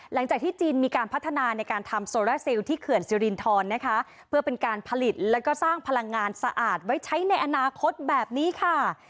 หลังจากที่จีนมีการพัฒนาในการทำโซราซิลที่เขื่อนสิรินทรนะคะเพื่อเป็นการผลิตแล้วก็สร้างพลังงานสะอาดไว้ใช้ในอนาคตแบบนี้ค่ะ